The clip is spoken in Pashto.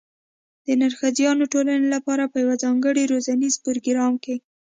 د نرښځیانو ټولنې لپاره په یوه ځانګړي روزنیز پروګرام کې